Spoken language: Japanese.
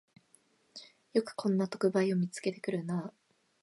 よくこんな特売を見つけてくるなあ